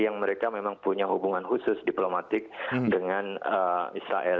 yang mereka memang punya hubungan khusus diplomatik dengan israel